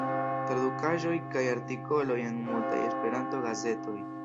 Tradukaĵoj kaj artikoloj en multaj Esperanto-gazetoj.